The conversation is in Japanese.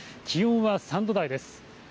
気温は３度台です。